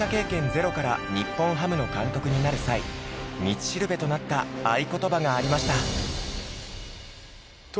ゼロから日本ハムの監督になる際道しるべとなった愛ことばがありました。